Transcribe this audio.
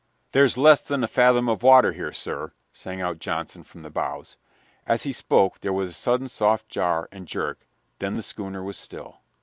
"There's less than a fathom of water here, sir," sang out Johnson from the bows. As he spoke there was a sudden soft jar and jerk, then the schooner was still.